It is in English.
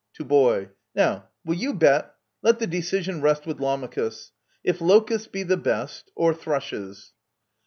(To Boy) Now, will you bet? — let the decision rest With Lamachus — if locusts be the best — Or thrushes.